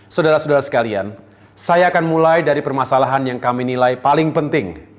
saudara saudara sekalian saya akan mulai dari permasalahan yang kami nilai paling penting